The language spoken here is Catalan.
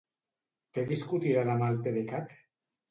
Què discutirà demà el PDECat?